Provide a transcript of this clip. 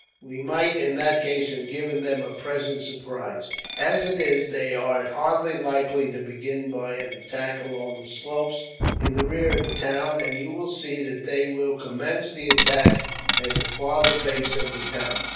We might, in that case, have given them a pleasant surprise. As it is, they are hardly likely to begin by an attack along the slopes in the rear of the town, and you will see that they will commence the attack at the farther face of the town.